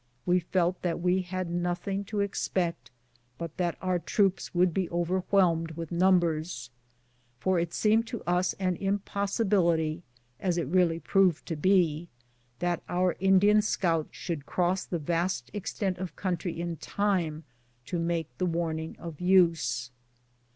We felt that we had nothing to expect but that our troops would be overwlielmed with numbers, for it seemed to us an impossibility, as it really proved to be, that our Indian scouts should cross that vast extent of country in time to make the warninsr of use.